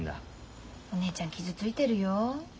お姉ちゃん傷ついてるよ。